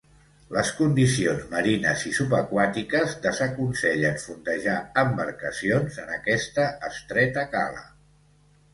Les condicions marines i subaquàtiques desaconsellen fondejar embarcacions en aquesta estreta cala.